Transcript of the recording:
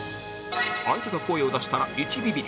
相手が声を出したら１ビビリ